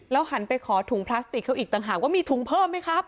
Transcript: หันไปขอถุงพลาสติกเขาอีกต่างหากว่ามีถุงเพิ่มไหมครับ